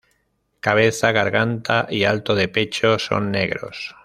Cabeza, garganta y alto de pecho son negros.